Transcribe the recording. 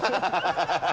ハハハ